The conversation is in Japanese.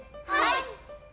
はい！